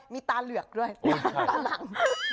มีตาเหลือกด้วยตาหลัง